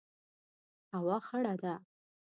هوا خړه ده